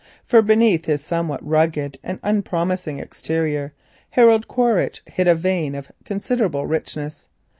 For beneath his somewhat rugged and unpromising exterior, Harold Quaritch hid a vein of considerable richness.